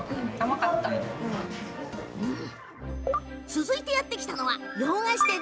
続いてやって来たのは洋菓子店。